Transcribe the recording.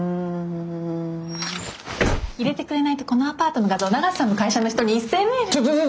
入れてくれないとこのアパートの画像永瀬さんの会社の人に一斉メール。